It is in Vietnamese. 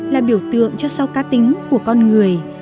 là biểu tượng cho sau cá tính của con người